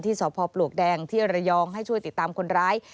สพปลวกแดงที่ระยองให้ช่วยติดตามคนร้าย